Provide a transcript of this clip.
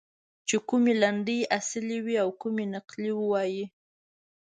چې کومې لنډۍ اصلي او کومې نقلي ووایي.